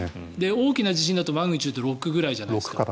大きな地震だとマグニチュード６ぐらいじゃないですか。